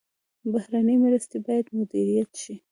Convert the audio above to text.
بهرنۍ مرستې باید مدیریت شي